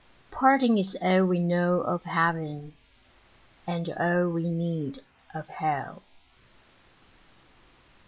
Parting is all we know of heaven, And all we need of hell.